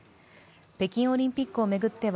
北京オリンピックを巡っては